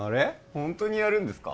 ホントにやるんですか？